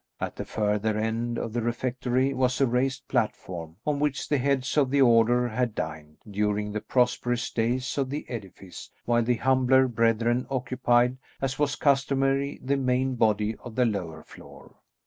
At the further end of the Refectory was a raised platform on which the heads of the Order had dined, during the prosperous days of the edifice, while the humbler brethren occupied, as was customary, the main body of the lower floor.